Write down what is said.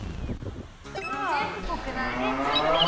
全部ぽくない？